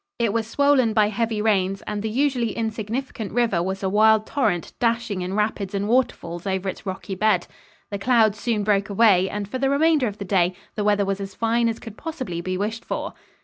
It was swollen by heavy rains and the usually insignificant river was a wild torrent, dashing in rapids and waterfalls over its rocky bed. The clouds soon broke away and for the remainder of the day the weather was as fine as could possibly be wished for.